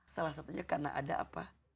salah satunya karena ada apa